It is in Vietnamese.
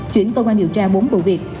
chuyển công an điều tra bốn vụ việc